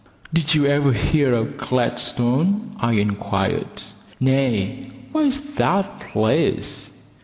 "Did you ever hear of Gladstone?" I inquired. "No; where is that place?"